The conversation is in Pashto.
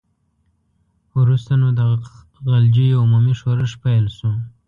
وروسته نو د غلجیو عمومي ښورښ پیل شو.